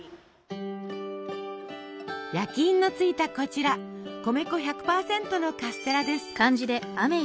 焼印のついたこちら米粉１００％のカステラです。